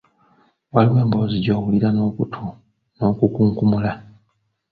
Waliwo emboozi gy’owulira n’okutu n’okunkumula.